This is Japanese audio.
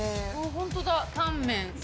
ホントだタンメン。